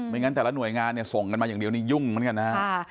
งั้นแต่ละหน่วยงานเนี่ยส่งกันมาอย่างเดียวนี่ยุ่งเหมือนกันนะฮะ